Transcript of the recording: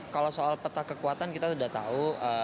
kalau soal peta kekuatan kita sudah tahu